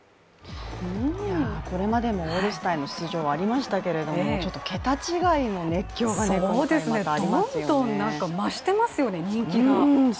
これまでもオールスターへの出場はありましたけどちょっと桁違いの熱狂が今回またありますよねどんどん増してますよね、人気が。